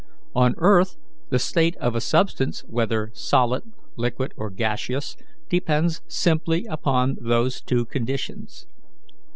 On earth the state of a substance, whether solid, liquid, or gaseous, depends simply upon those two conditions.